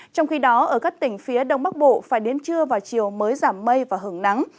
trong khi đó ở các tỉnh phía đông bắc bộ phải đến trưa và chiều mới giảm mây và hứng nắng